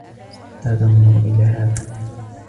لا تنظر إلى هذا!